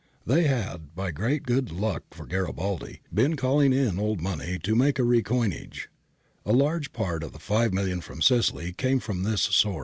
They had, by great good luck for Garibaldi, 321 21 322 APPENDIX C been calling in old money to make a re coinage. A large part of the five millions from Sicily came from this source.